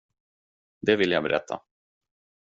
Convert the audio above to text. Det ville jag berätta.